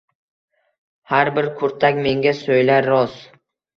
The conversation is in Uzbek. Har bir kurtak menga so’ylar roz